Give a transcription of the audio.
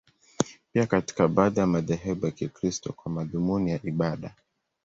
Pia katika baadhi ya madhehebu ya Kikristo, kwa madhumuni ya ibada.